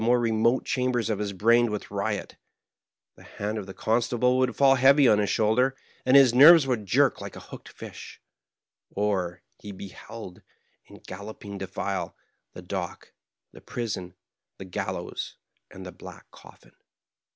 more remote chambers of his brain with riot ; the hand of the constable would fall heavy on his shoulder, and his nerves would jerk like a hooked fish ; or he beheld, in galloping defile, the dock, the prison, the gaUows, and the black coflBn.